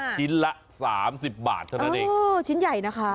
ชิ้นละ๓๐บาทเท่านั้นเองชิ้นใหญ่นะคะ